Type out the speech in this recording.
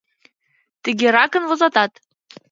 Тыгеракын возатат